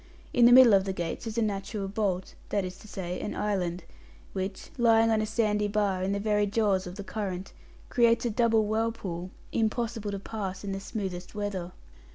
In the middle of the gates is a natural bolt that is to say, an island which, lying on a sandy bar in the very jaws of the current, creates a double whirlpool, impossible to pass in the smoothest weather.